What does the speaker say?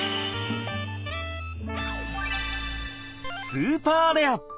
スーパーレア！